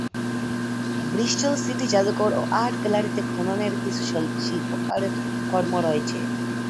Bristol City জাদুঘর ও art গ্যালারিতে খননের কিছু শিল্পকর্ম রয়েছে।